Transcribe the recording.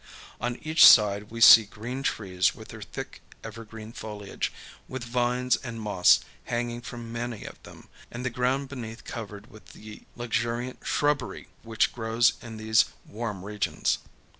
On each side we see green trees with their thick evergreen foliage, with vines and moss hanging from many of them, and the ground beneath covered with the luxuriant shrubbery which grows in these warm regions.